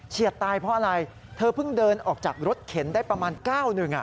เฉียดตายเพราะอะไรเธอเพิ่งเดินออกจากรถเข็นได้ประมาณ๙นึง